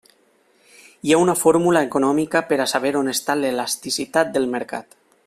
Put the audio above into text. Hi ha una fórmula econòmica per a saber on està l'elasticitat del mercat.